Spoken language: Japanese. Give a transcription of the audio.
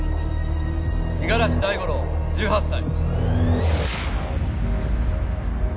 五十嵐大五郎１８歳。